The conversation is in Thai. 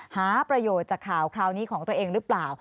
หาประโยชน์จากข่าวคราวนี้ของตัวเองหรือเปล่า